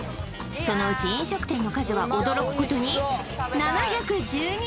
そのうち飲食店の数は驚くことに７１２